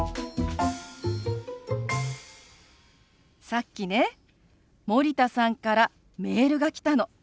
さっきね森田さんからメールが来たの。